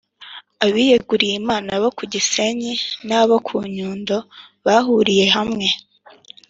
abiyeguriyimana bo ku gisenyi n’abo ku nyundo bahuriye hamwe